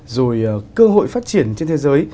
rồi cơ hội phát triển trên thế giới